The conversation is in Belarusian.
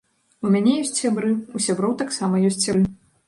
У мяне ёсць сябры, у сяброў таксама ёсць сябры.